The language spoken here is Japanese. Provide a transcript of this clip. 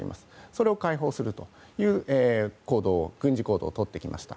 それを開放するという軍事行動をとってきました。